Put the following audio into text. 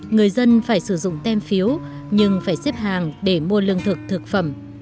người dân phải sử dụng tem phiếu nhưng phải xếp hàng để mua lương thực thực phẩm